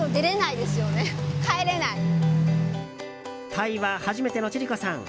タイは初めての千里子さん。